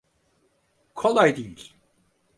Kolay değil.